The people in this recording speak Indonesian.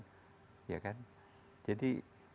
jadi bertumpang tinggi